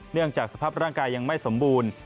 เนื่องจากสภาพร่างกายยังไม่สมบูรณ์